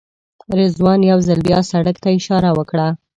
رضوان یو ځل بیا سړک ته اشاره وکړه.